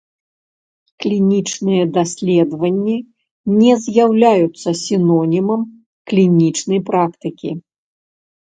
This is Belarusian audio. Клінічныя даследаванні не з'яўляюцца сінонімам клінічнай практыкі.